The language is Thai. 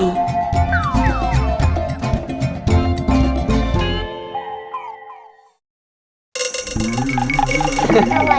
มาทั้งตัวเลย